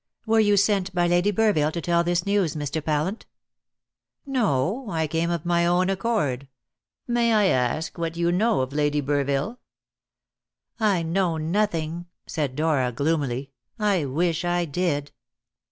"Were you sent by Lady Burville to tell this news, Mr. Pallant?" "No; I came of my own accord. May I ask what you know of Lady Burville?" "I know nothing," said Dora gloomily. "I wish I did."